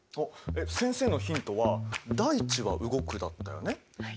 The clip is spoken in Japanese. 先生のヒントは「大地は動く」だったよね。